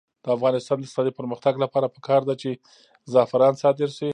د افغانستان د اقتصادي پرمختګ لپاره پکار ده چې زعفران صادر شي.